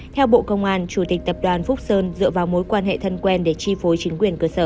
theo bộ công an chủ tịch tập đoàn phúc sơn dựa vào mối quan hệ thân quen để chi phối chính quyền cơ sở